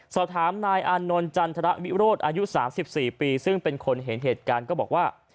สอบถามนายอานนท์จันทรวิโรธอายุ๓๔ปีซึ่งเป็นคนเห็นเหตุการณ์ก็บอกว่า